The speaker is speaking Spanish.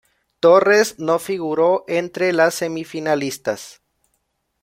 Torres no figuró entre las semifinalistas.